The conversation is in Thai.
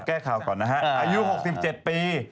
ขอแก้ข้าวก่อนนะฮะอายุหกสิบเจ็บปี